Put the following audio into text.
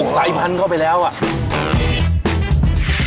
สายพันธุ์เข้าไปแล้วอ่ะ